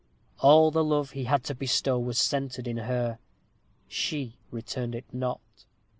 All the love he had to bestow was centred in her. She returned it not.